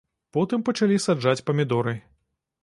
Потым пачалі саджаць памідоры.